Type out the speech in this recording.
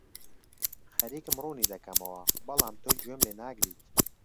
خەریکم ڕوونی دەکەمەوە، بەڵام تۆ گوێم لێ ناگریت.